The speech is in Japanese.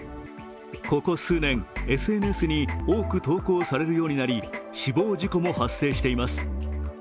ここ数年、ＳＮＳに多く投稿されるようになり死亡事故も発生しています。